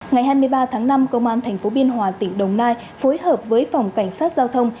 ngày hai mươi ba tháng năm công an tp biên hòa tỉnh đồng nai phối hợp với phòng cảnh sát giao thông